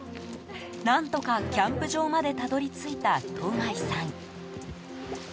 何とかキャンプ場までたどり着いた戸貝さん。